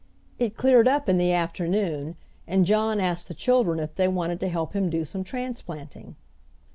It cleared up in the afternoon and John asked the children if they wanted to help him do some transplanting.